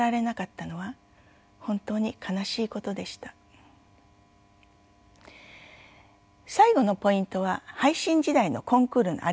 最後のポイントは配信時代のコンクールのあり方です。